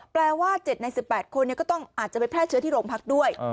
แปลว่า๗ใน๑๘คนก็ต้องอาจจะไปแพร่เชื้อที่โรงพักด้วย